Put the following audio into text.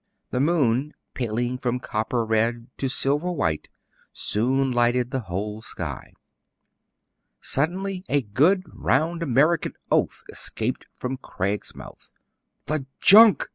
The moon, paling from copper red to silver white, soon lighted the whole sky. Suddenly a good round American oath escaped from Craig's mouth. '' The junk !